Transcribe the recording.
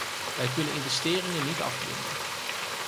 Wij kunnen investeringen niet afdwingen.